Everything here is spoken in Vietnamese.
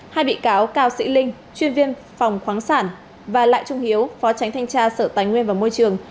hai bị cáo cao sĩ linh chuyên viên phòng khoáng sản và lại trung hiếu phó tránh thanh tra sở tài nguyên và môi trường